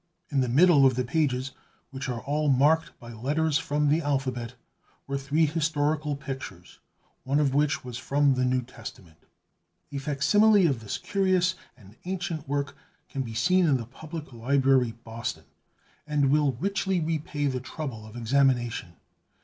In the middle of the pages, which are all marked by letters from the alphabet, were three historical pictures, one of which was from the New Testament. A fac simile of this curious and ancient work can be seen in the Public Library, Boston, and will richly repay the trouble of examination.